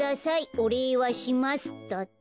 おれいはします」だって。